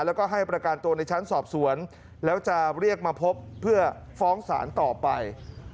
แล้วก็ให้ประกันตัวในชั้นสอบสวนแล้วจะเรียกมาพบเพื่อฟ้องศาลต่อไป